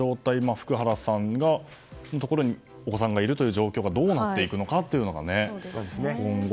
福原さんのところにお子さんがいるというのがどうなっているのかというのがね。